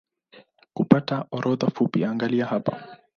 Kupata orodha fupi angalia hapa